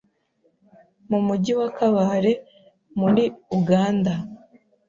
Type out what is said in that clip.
mu mujyi wa Kabale mu ri uganda